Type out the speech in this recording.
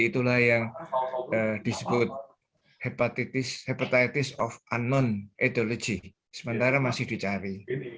itulah yang disebut hepatitis hepatitis of unknowned ideologi sementara masih dicari